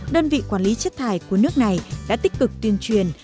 đơn vị quản lý chất thải của nước này đã tích cực tuyên truyền